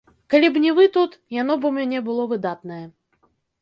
Калі б не вы тут, яно б у мяне было выдатнае.